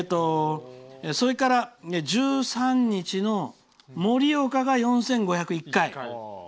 それから、１３日の盛岡が４５０１回。